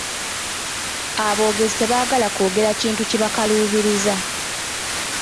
Aboogezi tebaagala kwogera kintu kibakaluubiriza.